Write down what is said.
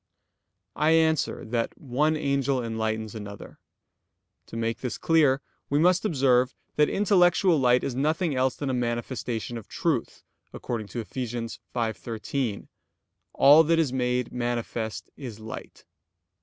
I answer that, One angel enlightens another. To make this clear, we must observe that intellectual light is nothing else than a manifestation of truth, according to Eph. 5:13: "All that is made manifest is light."